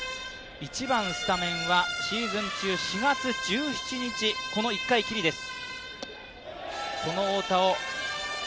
１番スタメンはシーズン中４月１７日の１回きりです。